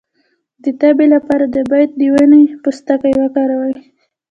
د تبې لپاره د بید د ونې پوستکی وکاروئ